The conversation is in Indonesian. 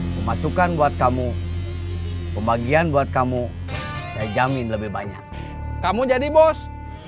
pemasukan buat kamu pembagian buat kamu saya jamin lebih banyak kamu jadi bos